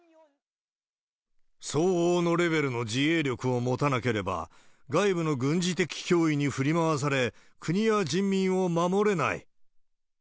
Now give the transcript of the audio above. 相応のレベルの自衛力を持たなければ、外部の軍事的脅威に振り回され、国や人民を守れない。